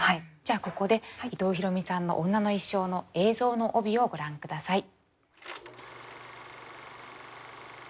じゃあここで伊藤比呂美さんの「女の一生」の映像の帯をご覧下さい。